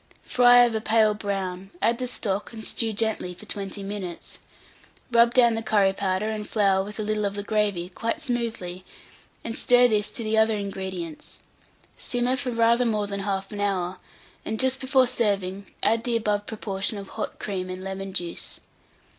Fry of a pale brown, add the stock, and stew gently for 20 minutes; rub down the curry powder and flour with a little of the gravy, quite smoothly, and stir this to the other ingredients; simmer for rather more than 1/2 hour, and just before serving, add the above proportion of hot cream and lemon juice.